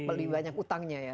beli banyak utangnya ya